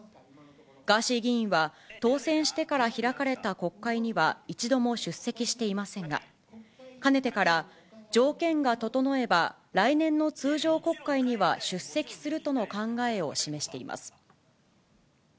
ガーシー議員は、当選してから開かれた国会には一度も出席していませんが、かねてから、条件が整えば来年の通常国会には出席するとの考えを示しています。